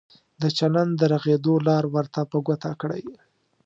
د چلند د رغېدو لار ورته په ګوته کړئ.